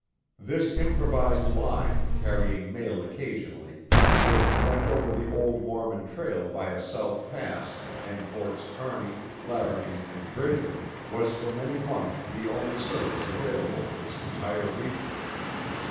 This improvised line, carrying mail occasionally, which went over the old Mormon trail via South Pass, and Forts Kearney, Laramie, and Bridger, was for many months the only service available for this entire region.